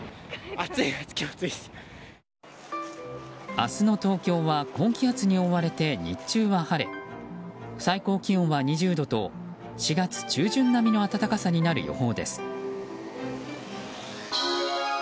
明日の東京は高気圧に覆われて日中は晴れ、最高気温は２０度と４月中旬並みの暖かさになる予報です。